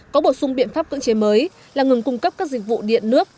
có bổ sung biện pháp cưỡng chế mới là ngừng cung cấp các dịch vụ điện nước